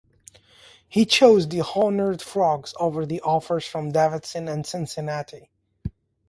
He chose the Horned Frogs over offers from Davidson and Cincinnati.